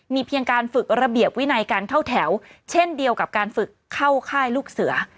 เพียงการฝึกระเบียบวินัยการเข้าแถวเช่นเดียวกับการฝึกเข้าค่ายลูกเสือ